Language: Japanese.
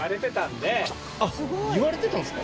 あっ言われてたんですか？